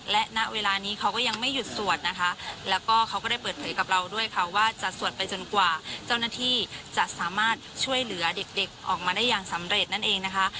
และณเวลานี้เขาก็ยังไม่หยุดสวดนะคะแล้วก็เขาก็ได้เปิดเผยกับเราด้วยค่ะว่าจะสวดไปจนกว่าเจ้าหน้าที่จะสามารถช่วยเหลือเด็กออกมาได้อย่างสำเร็จนั่นเองนะคะ